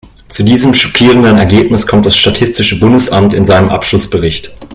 Zu diesem schockierenden Ergebnis kommt das statistische Bundesamt in seinem Abschlussbericht.